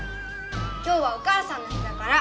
今日はおかあさんの日だから！